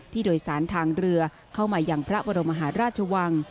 โดยสารทางเรือเข้ามาอย่างพระบรมหาราชวัง